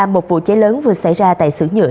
một vụ cháy lớn vừa xảy ra tại sửa nhựa